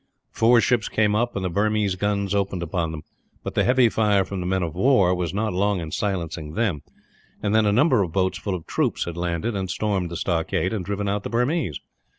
Four ships came up, and the Burmese guns opened upon them, but the heavy fire from the men of war was not long in silencing them; and then a number of boats full of troops had landed, and stormed the stockade, and driven out the Burmese.